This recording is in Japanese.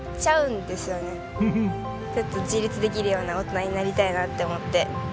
ちょっと自立できるような大人になりたいなって思って。